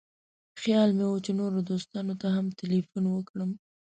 خیال مې و چې نورو دوستانو ته هم تیلفون وکړم.